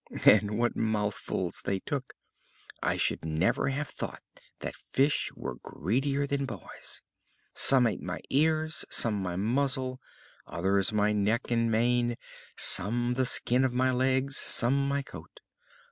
And what mouthfuls they took; I should never have thought that fish were greedier than boys! Some ate my ears, some my muzzle, others my neck and mane, some the skin of my legs, some my coat.